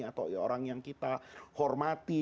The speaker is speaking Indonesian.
atau orang yang kita hormati